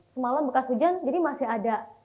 semalam bekas hujan jadi masih titil ibu ini